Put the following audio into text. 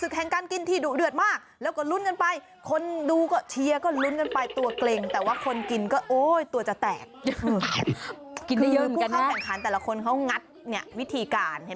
คือผู้เข้าแข่งขันแต่ละคนเขางัดเนี่ยวิธีการ